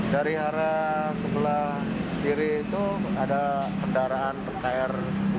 dari arah sebelah kiri itu ada kendaraan pkr dua